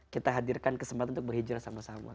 kita hadirkan kesempatan untuk berhijrah sama sama